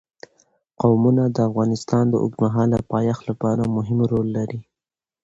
قومونه د افغانستان د اوږدمهاله پایښت لپاره مهم رول لري.